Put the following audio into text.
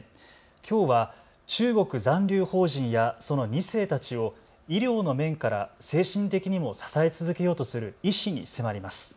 きょうは中国残留邦人やその２世たちを医療の面から精神的にも支え続けようとする医師に迫ります。